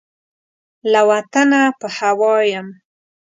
له وطنه په هوا یم